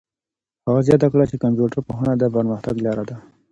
هغه زیاته کړه چي کمپيوټر پوهنه د پرمختګ لاره ده.